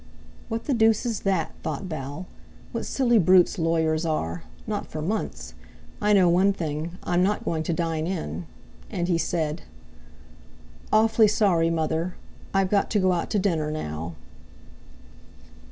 "What the deuce is that?" thought Val. "What silly brutes lawyers are! Not for months! I know one thing: I'm not going to dine in!" And he said: "Awfully sorry, mother, I've got to go out to dinner now."